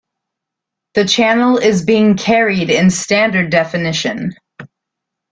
The channel is being carried in standard definition.